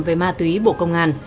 về ma túy bộ công an